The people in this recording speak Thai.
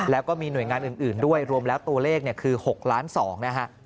แล้วก็มีหน่วยงานอื่นด้วยรวมแล้วตัวเลขคือ๖ล้าน๒นะฮะ